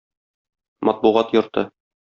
Матбугат йорты.